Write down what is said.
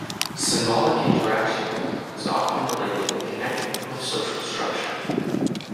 Symbolic interactionism is often related and connected with social structure.